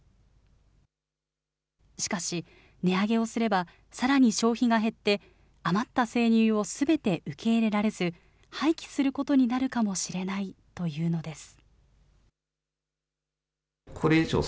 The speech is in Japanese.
しかし、値上げをすればさらに消費が減って、余った生乳をすべて受け入れられず、廃棄することになるかもしれないというのです。